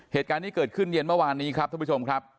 เหตุการณ์นี้เกิดขึ้นเย็นเมื่อวานนี้ครับท่านผู้ชมครับ